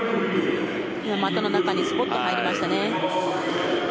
股の中にスポッと入りましたね。